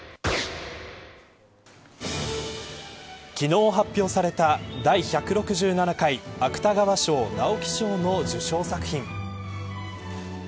昨日、発表された第１６７回芥川賞・直木賞の受賞作品。